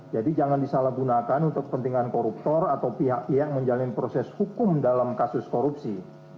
jadi jangan disalahgunakan untuk pentingan koruptor atau pihak pihak menjalani proses hukum dalam kasus korupsi